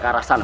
ke arah sana